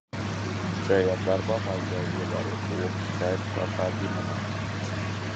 Šajā darbā vajadzēja ievērot lopu skaitu katrā ģimenē.